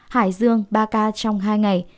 hải dương ba ca trong hai ngày